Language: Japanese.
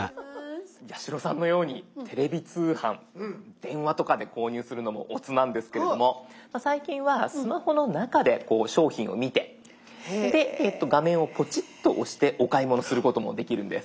八代さんのようにテレビ通販電話とかで購入するのもおつなんですけれども最近はスマホの中でこう商品を見て画面をポチッと押してお買い物することもできるんです。